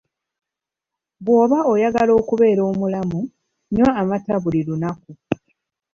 Bwoba oyagala okubeera omulamu nywa amata buli lunaku.